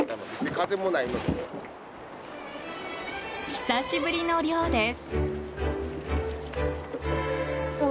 久しぶりの漁です。